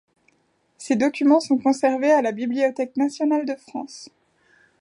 Ces documents sont conservés à la Bibliothèque nationale de France.